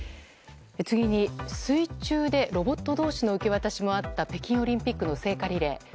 次に、水中でロボット同士の受け渡しもあった北京オリンピックの聖火リレー。